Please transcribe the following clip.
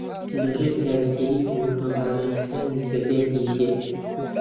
لەژێر کاریگەری تەوژمە بارانەکانی زەریای ھیندییە